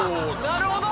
なるほど！